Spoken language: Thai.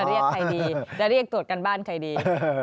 จะเรียกใครดีจะเรียกตรวจการบ้านใครดี